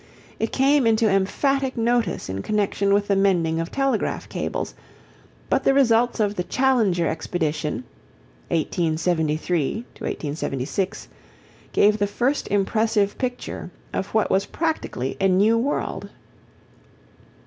It came into emphatic notice in connection with the mending of telegraph cables, but the results of the Challenger expedition (1873 6) gave the first impressive picture of what was practically a new world.